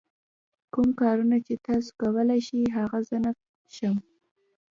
کوم کارونه چې تاسو کولای شئ هغه زه نه شم.